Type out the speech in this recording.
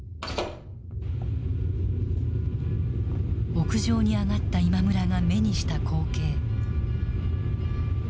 屋上に上がった今村が目にした光景。